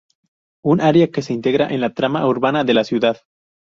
Un área que se integrará en la trama urbana de la ciudad.